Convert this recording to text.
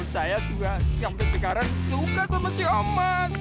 saya juga sampai sekarang suka sama si oman